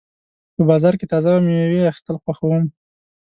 په بازار کې تازه مېوې اخیستل خوښوم.